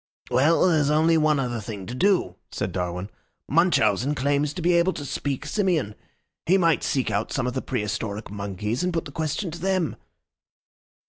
"Well, then, there's only one other thing to do," said Darwin. "Munchausen claims to be able to speak Simian. He might seek out some of the prehistoric monkeys and put the question to them."